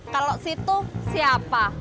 kalau situ siapa